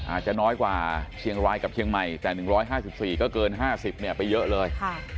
อาจจะน้อยกว่าเชียงรายกับเชียงใหม่แต่๑๕๔ก็เกิน๕๐ไปเยอะเลย